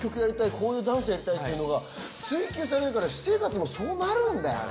こういうダンスやりたいっていうのが追求されるから私生活もそうなるんだよね